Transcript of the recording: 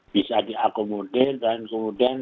bisa diakomodir dan kemudian